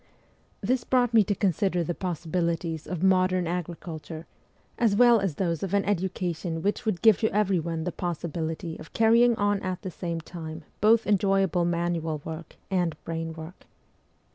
This brought me to consider the possibilities of modern agriculture, as well as those of an education which would give to everyone the possibility of carrying on at the same time both enjoyable manual work and brain work.